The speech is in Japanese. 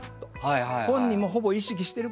本人も、ほぼ意識しているか。